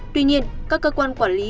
tuy nhiên các cơ quan quản lý